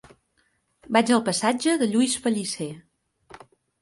Vaig al passatge de Lluís Pellicer.